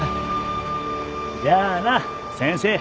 じゃあな先生。